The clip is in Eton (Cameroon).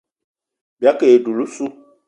Bìayî ke e dula ossu.